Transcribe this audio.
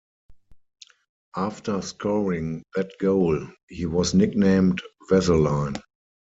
After scoring that goal, he was nicknamed "vaseline".